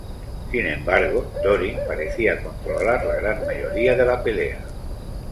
Sin embargo, Dorin parecía controlar la gran mayoría de la pelea.